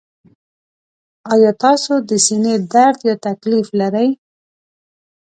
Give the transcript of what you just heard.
ایا تاسو د سینې درد یا تکلیف لرئ؟